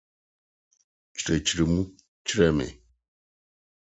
Kyerɛkyerɛ mu kyerɛ me.